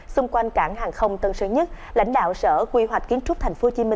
xung quanh cảng hàng không tân sơn nhất lãnh đạo sở quy hoạch kiến trúc tp hcm